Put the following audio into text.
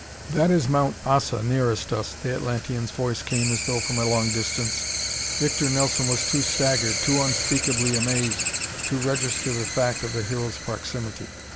"That is Mount Ossa nearest us," the Atlantean's voice came as though from a long distance. Victor Nelson was too staggered, too unspeakably amazed to register the fact of the Hero's proximity.